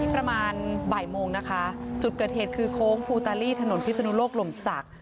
ประมาณบ่ายโมงนะคะจุดเกิดเหตุคือโค้งภูตาลีถนนพิศนุโลกลมศักดิ์